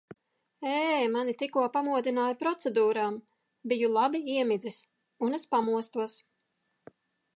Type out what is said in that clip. Ē, mani tikko pamodināja procedūrām, biju labi iemidzis un es pamostos.